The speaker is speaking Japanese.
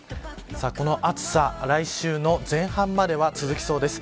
この暑さ来週の前半までは続きそうです。